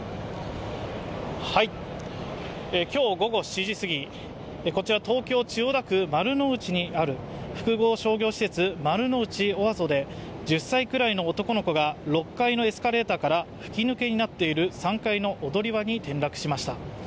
今日午後７時すぎ、こちら東京・千代田区丸の内にある複合商業施設、丸の内オアゾで１０歳くらいの男の子が６階のエスカレーターから吹き抜けになっている３階の踊り場に転落しました。